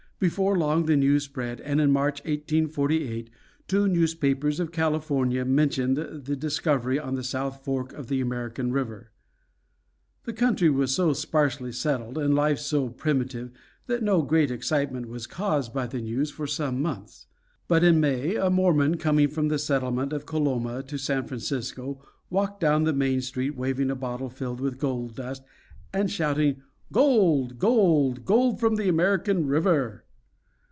Before long the news spread, and in March, 1848, two newspapers of California mentioned the discovery on the south fork of the American River. The country was so sparsely settled, and life so primitive, that no great excitement was caused by this news for some months. But in May a Mormon, coming from the settlement of Coloma to San Francisco, walked down the main street waving a bottle filled with gold dust and shouting "Gold! Gold! Gold from the American River!"